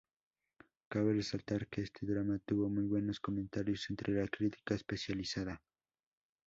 Cabe resaltar que este drama tuvo muy buenos comentarios entre la crítica especializada.